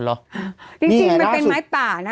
จริงมันเป็นไม้ป่านะ